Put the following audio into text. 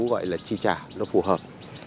vậy là chi trả nó phù hợp